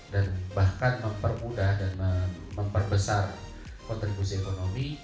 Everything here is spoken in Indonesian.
dan bahkan mempermudah dan memperbesar kontribusi ekonomi